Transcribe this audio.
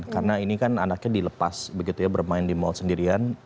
karena ini kan anaknya dilepas begitu ya bermain di mal sendirian